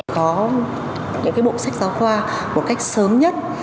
có những bộ sách giáo khoa một cách sớm nhất